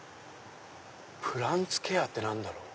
「プランツケア」って何だろう？